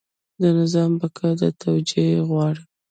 د نظام بقا دا توجیه غواړي.